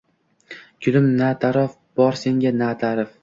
Gulim, na taraf bor senga, na ta’rif